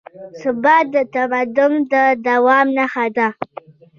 ثبات د تمدن د دوام نښه ده.